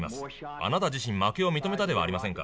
あなた自身負けを認めたではありませんか。